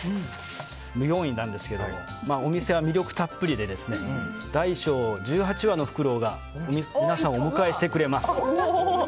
４位なんですがお店は魅力たっぷりで大小１８羽のふくろうが皆さんをお迎えしてくれます。